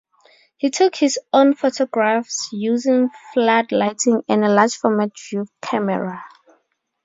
He took his own photographs using flood lighting and a large format view camera.